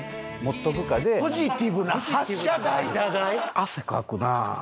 汗かくなあ。